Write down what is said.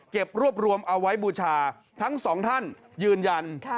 รวบรวมเอาไว้บูชาทั้งสองท่านยืนยัน